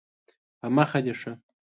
په مخه دې ښه